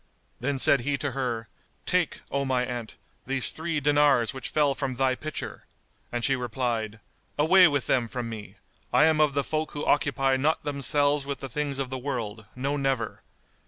Then said he to her, "Take, O my aunt, these three dinars which fell from thy pitcher;" and she replied, "Away with them from me! I am of the folk who occupy not themselves with the things of the world, no never!